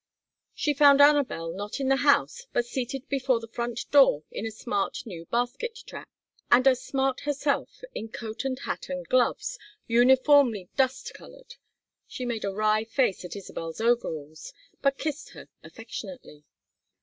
She found Anabel not in the house but seated before the front door in a smart new basket trap, and as smart herself in coat and hat and gloves uniformly dust colored. She made a wry face at Isabel's overalls, but kissed her affectionately.